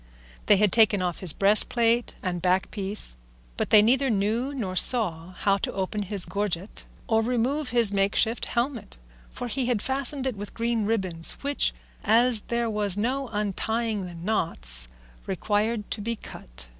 They had taken off his breastplate and backpiece, but they neither knew nor saw how to open his gorget or remove his make shift helmet, for he had fastened it with green ribbons, which, as there was no untying the knots, required to be cut.